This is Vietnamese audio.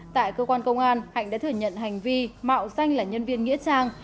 tại cơ quan công an hạnh đã thừa nhận hành vi mạo danh là nhân viên nghĩa trang